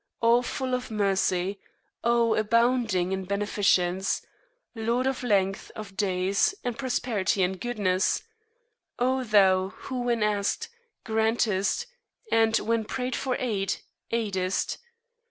O full of Mercy! O abounding in Beneficence! Lord of Length (of days), and Prosperity, and Goodness! O Thou, who when asked, grantest, and when prayed for aid, aidest!